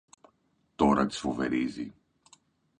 Τώρα τις φοβερίζει.